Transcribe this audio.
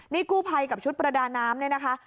นี่กู้ภัยกับชุดประดาน้ำเนี่ยนะคะ